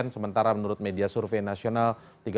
sementara menurut media survei nasional